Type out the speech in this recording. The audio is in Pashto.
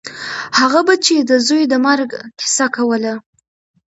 هغه به چې د زوى د مرګ کيسه کوله.